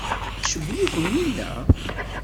Icewwel-iken winna?